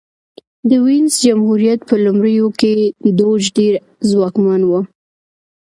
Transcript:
د وینز جمهوریت په لومړیو کې دوج ډېر ځواکمن و